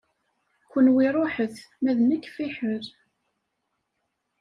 Kenwi ṛuḥet ma d nekk fiḥel.